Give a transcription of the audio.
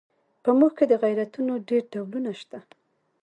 په موږ کې د غیرتونو ډېر ډولونه شته.